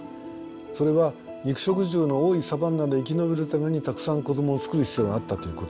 それは肉食獣の多いサバンナで生き延びるためにたくさん子どもをつくる必要があったということ。